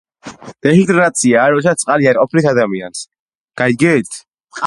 წინააღმდეგ შემთხვევაში მოხდება ეთანოლის მოლეკულაში შიგამოლეკულური დეჰიდრატაცია და მიიღება ეთილენი.